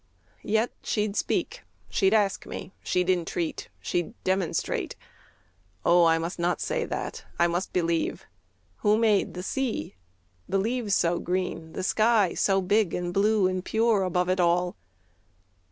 —Yet she'd speak: She'd ask me: she'd entreat: she'd demonstrate. O I must not say that! I must believe! Who made the sea, the leaves so green, the sky So big and blue and pure above it all?